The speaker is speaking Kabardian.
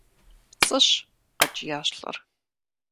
– ПцӀыщ! – къэкӀиящ лӏыр.